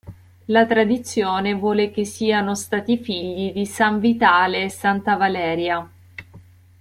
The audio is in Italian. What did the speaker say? La tradizione vuole che siano stati figli di san Vitale e santa Valeria.